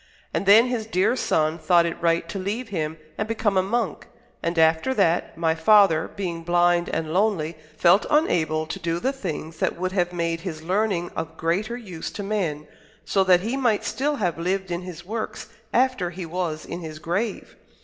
And then his dear son thought it right to leave him and become a monk; and after that, my father, being blind and lonely, felt unable to do the things that would have made his learning of greater use to men, so that he might still have lived in his works after he was in his grave."